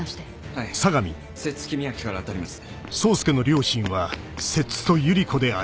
はい摂津公明から当たります。